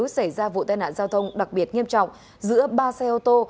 xảy ra vụ tai nạn giao thông đặc biệt nghiêm trọng giữa ba xe ô tô